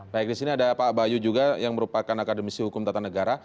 baik di sini ada pak bayu juga yang merupakan akademisi hukum tata negara